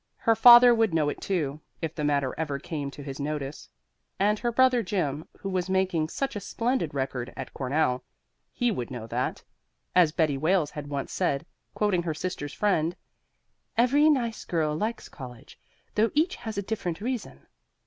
Her father would know it too, if the matter ever came to his notice; and her brother Jim, who was making such a splendid record at Cornell he would know that, as Betty Wales had said once, quoting her sister's friend, "Every nice girl likes college, though each has a different reason."